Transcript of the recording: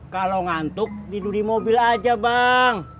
kalau ngantuk tidur di mobil aja bang